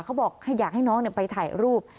เขาบอกอยากให้น้องไปถ่ายรูป